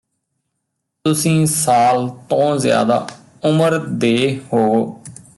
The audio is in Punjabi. ਤੁਸੀਂ ਸਾਲ ਤੋਂ ਜ਼ਿਆਦਾ ਉਮਰ ਦੇ ਹੋਵੋ